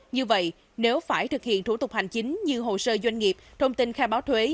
như vậy nếu phải thực hiện thủ tục hành chính như hồ sơ doanh nghiệp thông tin khai báo thuế